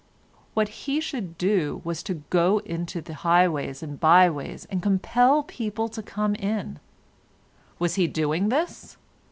What he should do was to go into the highways and byways, and compel people to come in. Was he doing this?